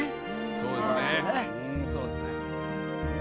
そうですね。